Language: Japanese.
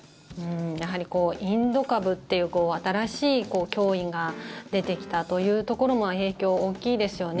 やはりインド株っていう新しい脅威が出てきたというところも影響大きいですよね。